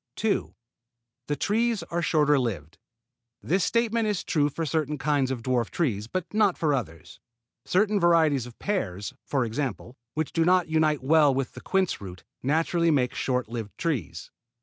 2. The trees are shorter lived. This statement is true for certain kinds of dwarf trees, but not for others. Certain varieties of pears, for example, which do not unite well with the quince root, naturally make short lived trees.